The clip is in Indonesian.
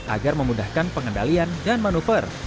agar memudahkan pengendalian dan manuver